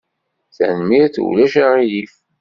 Tanemmirt. Ulac aɣilif!